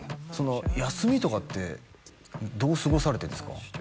休みとかってどう過ごされてるんですか？